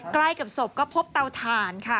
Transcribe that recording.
ใกล้กับศพก็พบเตาถ่านค่ะ